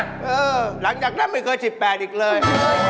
หลังจากนั้นไม่เคย๑๘อีกเลย